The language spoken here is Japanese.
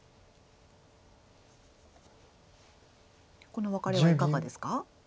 ここのワカレはいかがですか？